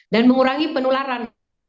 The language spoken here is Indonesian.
dan mengurangi penularan